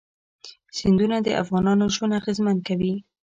سیندونه د افغانانو ژوند اغېزمن کوي.